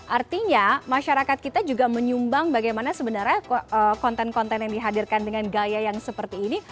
artinya masyarakat kita juga menyumbang bagaimana sebenarnya konten konten yang dihadirkan dengan gaya yang seperti ini